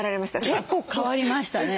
結構変わりましたね。